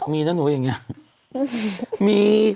มีนะหนูอย่างนี้